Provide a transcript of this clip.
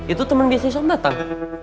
itu temen bisnis om datang